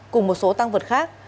cùng một số tăng vật khác